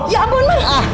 ya ampun bang